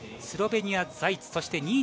スロベニアはザイツ。